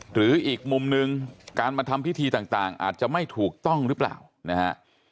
อีกมุมหนึ่งการมาทำพิธีต่างอาจจะไม่ถูกต้องหรือเปล่านะฮะ